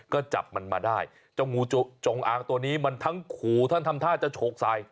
ก็จับมันมาได้เจ้างูจงอางตัวนี้มันทั้งขู่ท่านทำท่าจะโฉกใส่